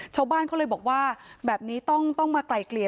ชาวบ้านเขาเลยบอกว่าแบบนี้ต้องมาไกลเกลี่ย